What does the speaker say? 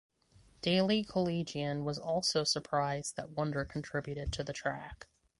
Daily Collegian was also surprised that Wonder contributed to the track.